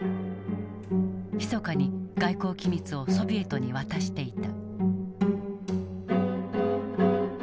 ひそかに外交機密をソビエトに渡していた。